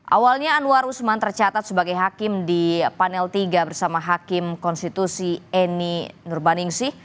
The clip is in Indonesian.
awalnya anwar usman tercatat sebagai hakim di panel tiga bersama hakim konstitusi eni nurbaningsih